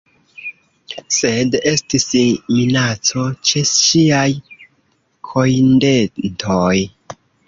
Sed estis minaco ĉe ŝiaj kojndentoj.